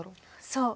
そう！